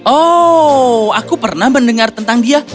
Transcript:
oh aku pernah mendengar tentang dia